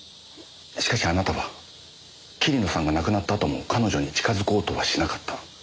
しかしあなたは桐野さんが亡くなったあとも彼女に近づこうとはしなかった。